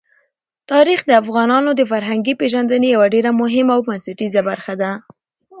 تاریخ د افغانانو د فرهنګي پیژندنې یوه ډېره مهمه او بنسټیزه برخه ده.